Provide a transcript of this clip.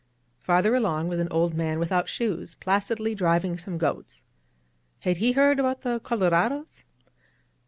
Farther along was an old man without shoes, placidly driving some goats. Had he heard about the colorados?